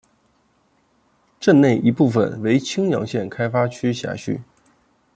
镇内一部分为青阳县开发区辖区。